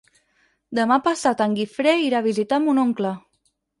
Demà passat en Guifré irà a visitar mon oncle.